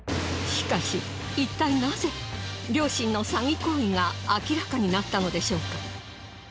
しかしいったいなぜ両親の詐欺行為が明らかになったのでしょうか？